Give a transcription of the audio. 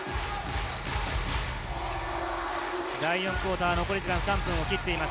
第４クオーター、残り時間は３分を切っています。